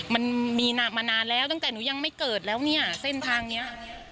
มันมีมานานแล้วตั้งแต่หนูยังไม่เกิดแล้วเนี่ยเส้นทางเนี้ย